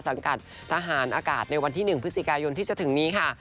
สังกัดทหารอากาศในวันที่๑พฤศจิกายนที่จะถึงนี้ค่ะ